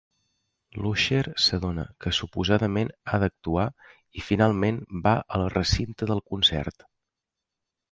L'Usher s'adona que suposadament ha d"actuar i finalment va al recinte del concert.